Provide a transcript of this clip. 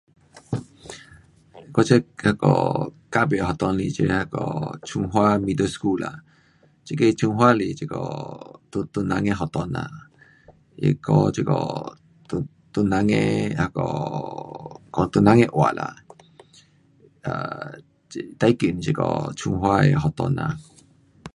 我这那个隔壁的学堂是这那个 chung hua middle school 啦，这个 chung hua 是这个唐，唐人的学堂啦，它教这个唐，唐人的那个讲唐人的话啦。um 最近这个 chung hua 的学堂啦。